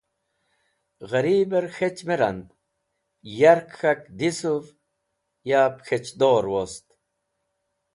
Gheribẽr k̃hech me rand yark k̃hak dhisuv yab k̃hech dor wost.